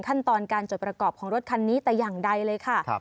ขั้นตอนการจดประกอบของรถคันนี้แต่อย่างใดเลยค่ะ